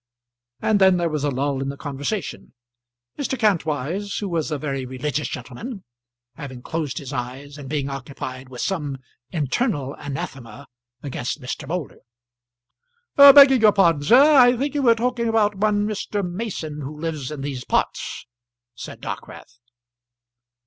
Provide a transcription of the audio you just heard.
And then there was a lull in the conversation, Mr. Kantwise, who was a very religious gentleman, having closed his eyes, and being occupied with some internal anathema against Mr. Moulder. "Begging your pardon, sir, I think you were talking about one Mr. Mason who lives in these parts," said Dockwrath.